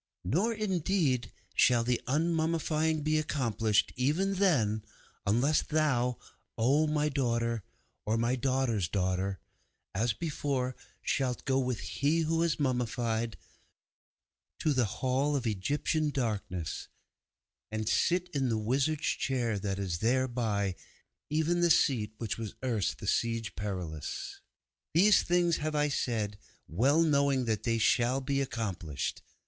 'Nor, indeed, shall the unmummying be accomplished, even then, unless thou, O my daughter, or my daughter's daughter as before, shalt go with He who was mummied to the Hall of Egyptian Darkness and sit in the Wizard's Chair that is thereby, even the seat which was erst the Siege Perilous. These things have I said, well knowing that they shall be accomplished.